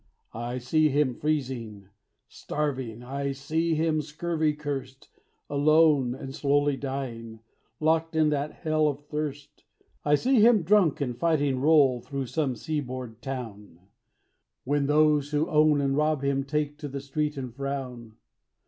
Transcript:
I see him freezing, starving I see him scurvy curst, Alone, and slowly dying, locked in that hell of thirst. I see him drunk and fighting roll through some seaboard town, When those who own and rob him take to the street and frown.